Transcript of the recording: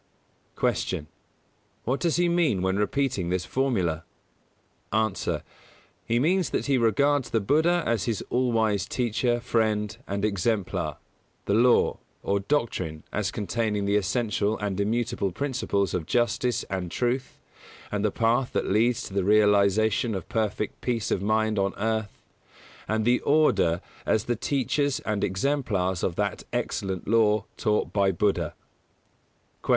150. Q. What does he mean when repeating this formula? A. He means that he regards the Buddha as his all wise Teacher, Friend and Exemplar; the Law, or Doctrine, as containing the essential and immutable principles of Justice and Truth and the path that leads to the realisation of perfect peace of mind on earth; and the Order as the teachers and exemplars of that excellent Law taught by Buddha. 151.